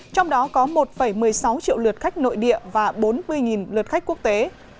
trong đó có một một mươi sáu triệu lượt khách nội địa và bốn mươi lượt khách quốc tế